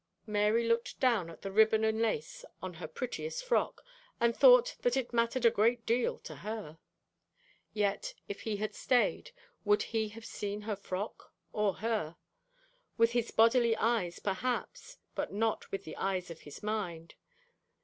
Mary looked down at the ribbon and lace on her prettiest frock, and thought that it mattered a great deal to her. Yet, if he had stayed, would he have seen her frock or her? With his bodily eyes, perhaps, but not with the eyes of his mind.